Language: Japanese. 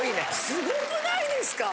すごくないですか？